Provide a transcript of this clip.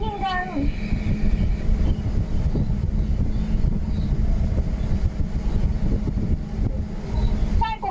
ใช่เขายิ่งดัง